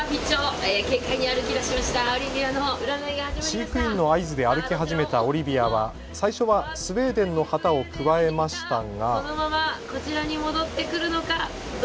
飼育員の合図で歩き始めたオリビアは最初はスウェーデンの旗をくわえましたが。